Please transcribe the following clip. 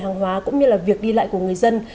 hàng hóa cũng như là việc đi lại của người dân